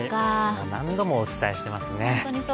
もう何度もお伝えしていますね。